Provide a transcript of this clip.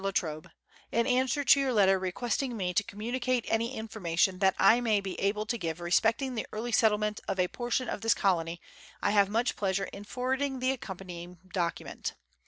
LA TROBE, In answer to your letter requesting me to communicate any information that I may be able to give respecting the early settle ment of a portion of this colony, I have much pleasure in for warding the accompanying document.